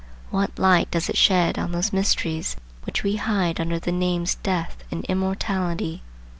What light does it shed on those mysteries which we hide under the names Death and Immortality?